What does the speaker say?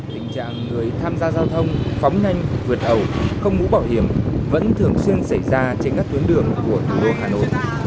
tình trạng người tham gia giao thông phóng nhanh vượt ẩu không mũ bảo hiểm vẫn thường xuyên xảy ra trên các tuyến đường của thủ đô hà nội